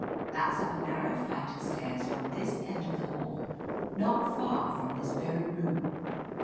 That's up a narrow flight of stairs from this end of the hall, not far from this very room.